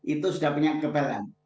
itu sudah punya kekebalan